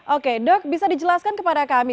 oke dok bisa dijelaskan kepada kami